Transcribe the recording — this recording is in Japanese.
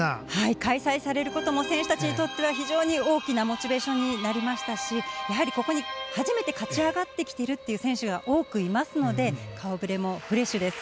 開催されることも選手たちにとっては非常に大きなモチベーションになりましたしやはり、ここに初めて勝ち上がってきている選手が多くいますので顔ぶれもフレッシュです。